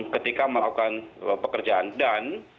ketika melakukan pekerjaan dan